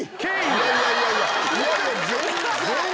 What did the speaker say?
いやいやいやいや！